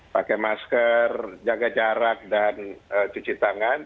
pakai masker jaga jarak dan cuci tangan